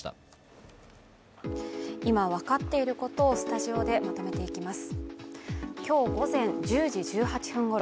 今、分かっていることをスタジオでまとめていきます。